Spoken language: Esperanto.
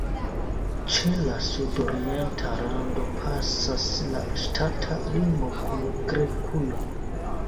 Ĉe la sudorienta rando pasas la ŝtata limo kun Grekujo.